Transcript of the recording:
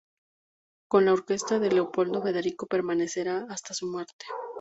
Con la orquesta de Leopoldo Federico permanecerá hasta su muerte.